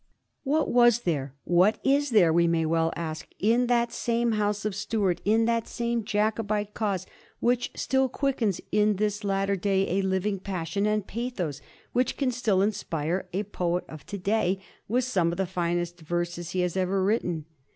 What was there, what is there, we may well ask, in that same House of Stuart, in that same Jacobite cause, which still quickens in this latter day a living passion and pathos, which can still inspire a poet of to day with some of the finest verses he has ever written?